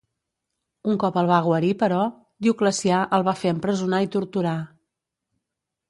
Un cop el va guarir, però, Dioclecià el va fer empresonar i torturar.